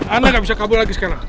anda nggak bisa kabur lagi sekarang